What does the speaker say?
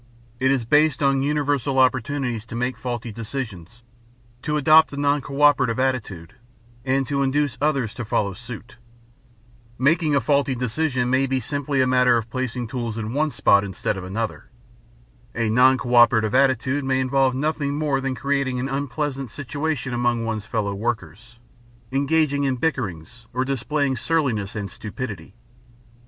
It is based on universal opportunities to make faulty decisions, to adopt a noncooperative attitude, and to induce others to follow suit. Making a faulty decision may be simply a matter of placing tools in one spot instead of another. A non cooperative attitude may involve nothing more than creating an unpleasant situation among one's fellow workers, engaging in bickerings, or displaying surliness and stupidity.